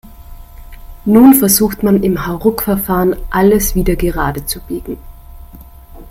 Nun versucht man im Hauruckverfahren, alles wieder gerade zu biegen.